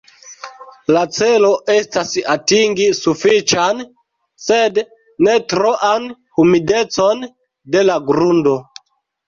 La celo estas atingi sufiĉan sed ne troan humidecon de la grundo.